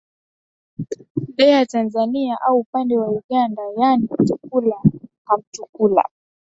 nde wa tanzania au upande wa uganda yaani mtukula ka mtukula